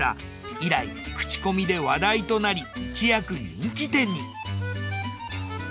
以来クチコミで話題となり一躍人気店に。